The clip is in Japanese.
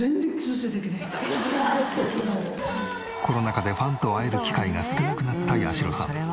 コロナ禍でファンと会える機会が少なくなった八代さん。